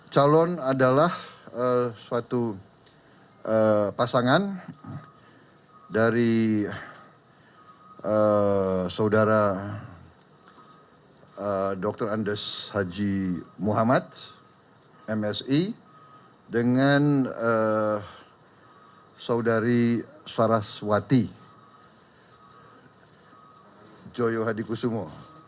calon adalah suatu pasangan dari saudara dr andes haji muhammad msi dengan saudari saraswati joyo hadikusumo